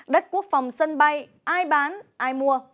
đất quốc phòng sân bay ai bán ai mua